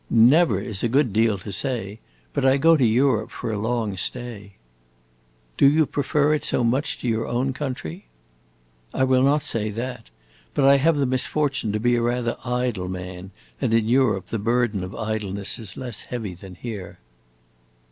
"'Never' is a good deal to say. But I go to Europe for a long stay." "Do you prefer it so much to your own country?" "I will not say that. But I have the misfortune to be a rather idle man, and in Europe the burden of idleness is less heavy than here."